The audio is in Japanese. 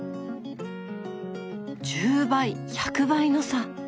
１０倍１００倍の差。